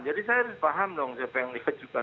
jadi saya harus paham siapa yang dikejukan